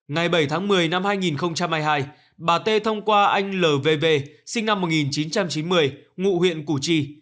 ngày bảy tháng một mươi năm hai nghìn hai mươi hai bà tê thông qua anh lv v sinh năm một nghìn chín trăm chín mươi ngụ huyện củ chi